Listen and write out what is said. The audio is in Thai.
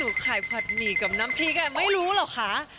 ขายผัดหมี่กับน้ำพริกไม่รู้เหรอคะ